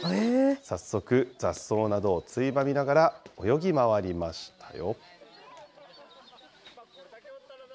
早速、雑草などをついばみながら、泳ぎ回りましたよ。